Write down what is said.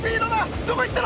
どこ行ったの？